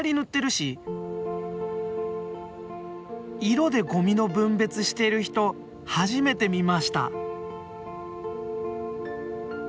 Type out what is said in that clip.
色でゴミの分別してる人初めて見ました。